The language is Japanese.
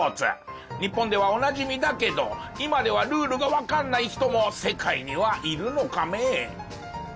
日本ではおなじみだけど今ではルールがわかんない人も世界にはいるのカメ。